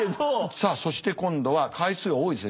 さあそして今度は回数が多いですね